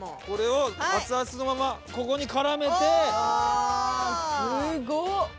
これを熱々のままここにからめて。